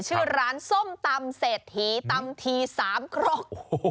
ชื่อร้านส้มตำเศรษฐีตำทีสามครก